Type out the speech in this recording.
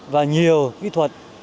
và nhiều kỹ thuật